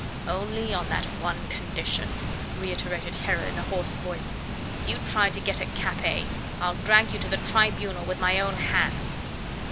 "Only on that one condition," reiterated Heron in a hoarse voice; "if you try to get at Capet, I'll drag you to the Tribunal with my own hands."